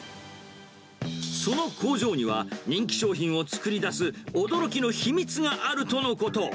その工場には、人気商品を作り出す驚きの秘密があるとのこと。